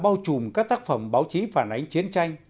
bao trùm các tác phẩm báo chí phản ánh chiến tranh